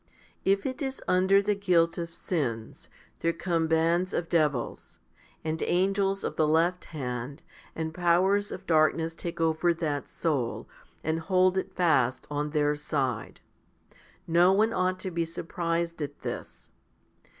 If it is under the guilt of sins, there come bands of devils, and angels of the left hand, and powers of darkness take over that soul, and hold it fast on their side. No one ought to be surprised at this.